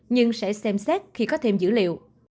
nhưng sẽ xem xét khi có thêm dữ liệu